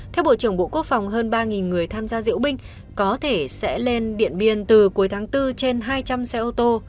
theo bộ trưởng bộ quốc phòng hơn ba người tham gia diễu binh có thể sẽ lên điện biên từ cuối tháng bốn trên hai trăm linh xe ô tô